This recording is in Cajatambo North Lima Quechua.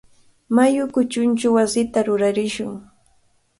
Mayu kuchunchaw wasita rurarishun.